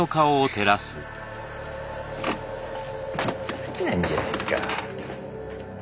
好きなんじゃないすか。